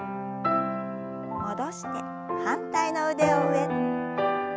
戻して反対の腕を上。